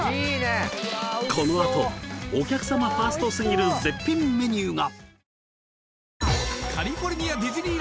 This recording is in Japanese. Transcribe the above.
このあとお客様ファーストすぎる絶品メニューが！